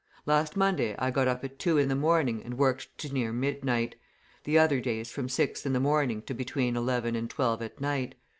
Last Monday I got up at two in the morning and worked to near midnight; the other days from six in the morning to between eleven and twelve at night.